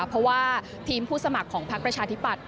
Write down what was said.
เพราะว่าทีมผู้สมัครของพักประชาธิปัตย